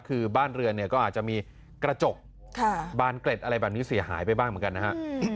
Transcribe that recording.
คือบ้านเรือนเนี่ยก็อาจจะมีกระจกบานเกร็ดอะไรแบบนี้เสียหายไปบ้างเหมือนกันนะฮะ